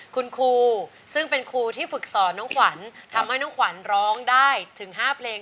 คุณครูซึ่งเป็นครูที่ฝึกสอนน้องขวัญทำให้น้องขวัญร้องได้ถึง๕เพลง